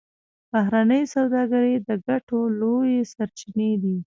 بهرنۍ سوداګري د ګټو لویې سرچینې دي